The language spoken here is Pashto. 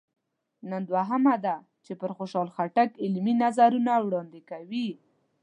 نن دوهمه ده چې پر خوشحال خټک علمي نظرونه وړاندې کوي.